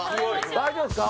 大丈夫ですか？